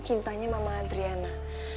cintanya mama adriana